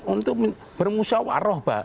untuk bermusyawaroh pak